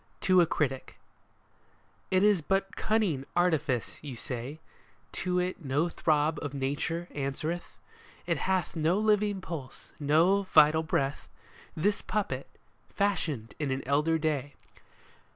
TO A CRITIC " It is but cunning artifice," you say ?" To it no throb of nature answereth ? It hath no living pulse, no vital breath, This puppet, fashioned in an elder day.